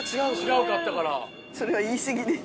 それは言い過ぎです。